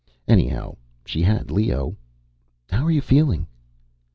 Anyhow, she had Leo. _How are you feeling?